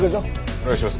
お願いします。